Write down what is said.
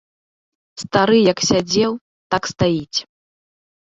Стары як сядзеў, так стаіць.